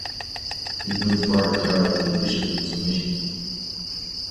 These moves further terrorized the officials into submission.